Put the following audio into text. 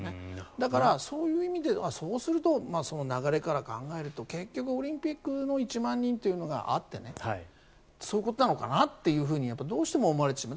だから、そういう意味ではそうすると流れから考えると結局オリンピックの１万人っていうのがあってそういうことなのかなってどうしても思われてしまう。